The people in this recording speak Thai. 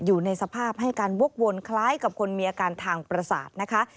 อยู่ในสภาพให้การวกวนคล้ายกับคนมีอาการทางประสาทนะคะ